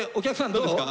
どうですか？